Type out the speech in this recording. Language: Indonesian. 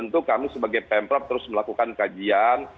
itu kami sebagai pempre terus melakukan kajian